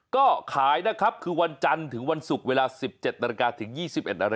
ก็ขายนะครับคือวันจันทร์ถึงวันศุกร์เวลา๑๗นาฬิกาถึง๒๑นาฬ